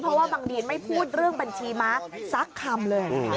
เพราะว่าบังดีนไม่พูดเรื่องบัญชีม้าสักคำเลยนะคะ